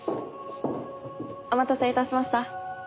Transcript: お待たせいたしました。